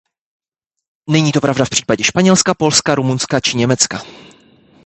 Není to pravda v případě Španělska, Polska, Rumunska či Německa.